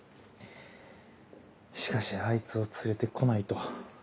しかしあいつを連れて来ないと。